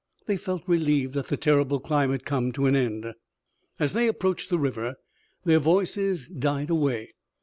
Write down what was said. They felt relieved that the terrible climb had come to an end. As they approached the river, their voices died away.